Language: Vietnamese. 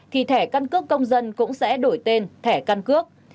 thì thẻ căn cước công dân cũng sẽ đổi tên thẻ căn cước